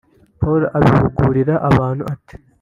Pawulo abihugurira abantu ati